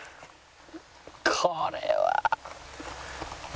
これは。